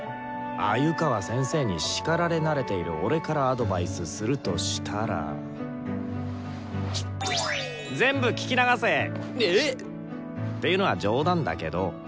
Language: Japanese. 鮎川先生に叱られ慣れている俺からアドバイスするとしたら全部聞き流せ！えっ！？っていうのは冗談だけど。